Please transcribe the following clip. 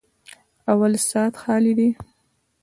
_اول سات خالي دی.